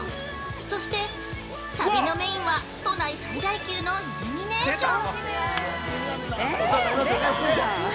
そして、旅のメインは都内最大級のイルミネーション！